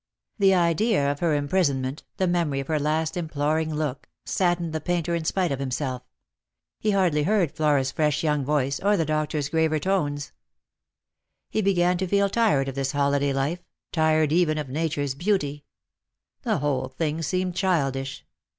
The idea of her imprisonment, the memory of her last im ploring look, saddened the painter in spite of himself. He hardly heard Flora's fresh young voice, or the doctor's graver tones. He began to feel tired of this holiday life — tired even of Nature's beauty. The whole thing seemed childish.